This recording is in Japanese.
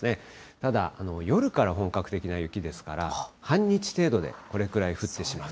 ただ夜から本格的な雪ですから、半日程度でこれくらい降ってしまう。